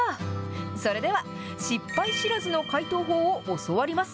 それでは失敗知らずの解凍法を教わります。